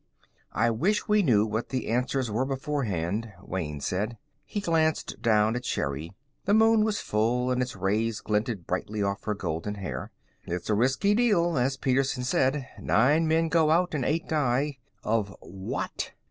"I wish we knew what the answers were beforehand," Wayne said. He glanced down at Sherri. The moon was full, and its rays glinted brightly off her golden hair. "It's a risky deal, as Petersen said. Nine men go out, and eight die of what?